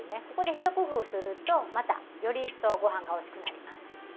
ここで一工夫するとまたより一層ご飯がおいしくなります。